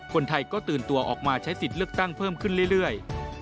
คนไทยก็ตื่นตัวออกมาใช้สิทธิ์เลือกตั้งเพิ่มขึ้นเรื่อย